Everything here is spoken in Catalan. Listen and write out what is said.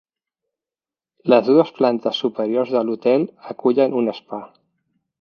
Les dues plantes superiors de l'hotel acullen un spa.